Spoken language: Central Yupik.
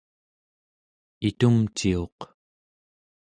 itumciuq